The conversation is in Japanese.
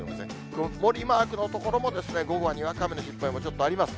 曇りマークの所も午後はにわか雨の心配もちょっとあります。